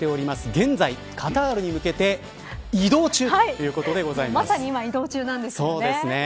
現在、カタールに向けて移動中まさに今移動中なんですよね。